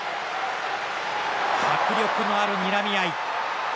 迫力のあるにらみ合い。